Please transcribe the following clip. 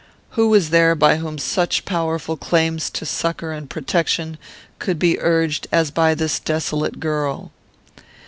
Who was there by whom such powerful claims to succour and protection could be urged as by this desolate girl?